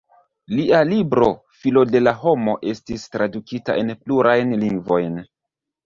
Lia libro "Filo de la homo" estis tradukita en plurajn lingvojn.